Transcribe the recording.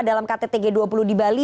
dalam kttg dua puluh di bali